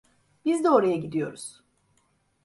Biz de oraya gidiyoruz.